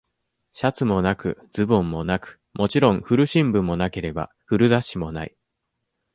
シャツもなく、ズボンもなく、もちろん古新聞もなければ、古雑誌もない。